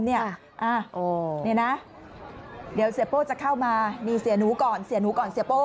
นี่นะเดี๋ยวเสียโป้จะเข้ามามีเสียหนูก่อนเสียหนูก่อนเสียโป้